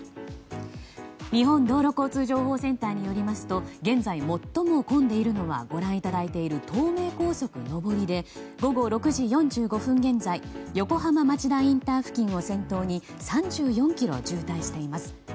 日本道路交通情報センターによりますと現在、最も混んでいるのはご覧いただいている東名高速上りで午後６時４５分現在横浜町田インター付近を先頭に３４ｋｍ渋滞しています。